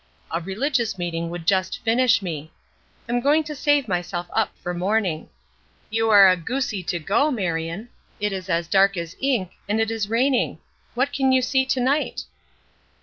A religious meeting would just finish me. I'm going to save myself up for morning. You are a goosie to go, Marion. It is as dark as ink, and is raining. What can you see to night?"